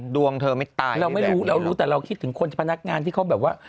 ดวงเธอไม่ตายเราไม่รู้เรารู้แต่เราคิดถึงคนพนักงานที่เขาแบบว่า